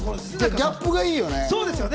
ギャップがいいよね。